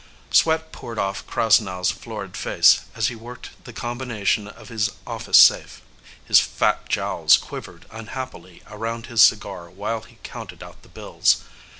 Sweat poured off Krasnow's florid face as he worked the combination of his office safe. His fat jowls quivered unhappily around his cigar while he counted out the bills.